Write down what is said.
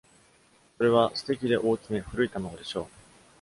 それは、そ素敵で大きめ、古い卵でしょう。